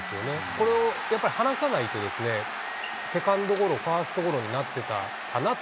これをやっぱり離さないと、セカンドゴロ、ファーストゴロになってたかなと。